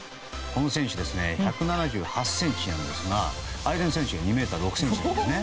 この選手１７８ｃｍなんですが相手の選手は２ｍ６ｃｍなんですね。